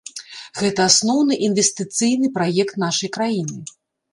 Гэта асноўны інвестыцыйны праект нашай краіны.